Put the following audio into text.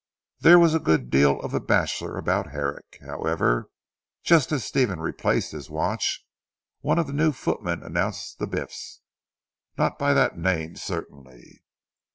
There was a good deal of the bachelor about Herrick. However, just as Stephen replaced his watch, one of the new footmen announced the Biffs; not by that name certainly.